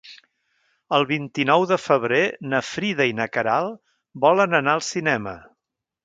El vint-i-nou de febrer na Frida i na Queralt volen anar al cinema.